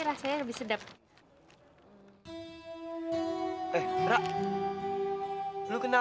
kalau braco kayak gimana sepertinya